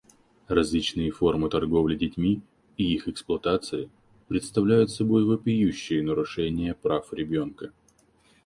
Различные формы торговли детьми и их эксплуатации представляют собой вопиющие нарушения прав ребенка.